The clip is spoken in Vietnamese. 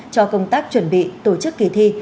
cho công tác chuẩn bị tổ chức kỳ thi